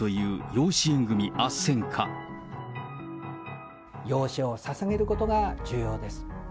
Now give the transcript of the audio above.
養子をささげることが重要です。